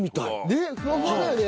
ねっふわふわだよね。